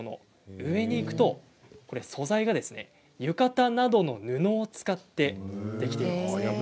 上に行くと素材が浴衣などの布を使ってできています。